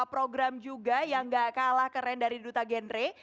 program juga yang gak kalah keren dari duta genre